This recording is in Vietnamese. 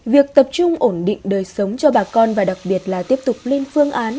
việc tập trung ổn định đời sống cho bà con và đặc biệt là tiếp tục lên phương án